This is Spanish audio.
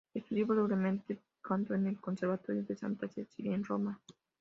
Estudió brevemente canto en el "Conservatorio de Santa Cecilia" en Roma.